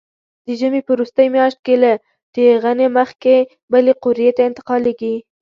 د ژمي په وروستۍ میاشت کې له ټېغنې مخکې بلې قوریې ته انتقالېږي.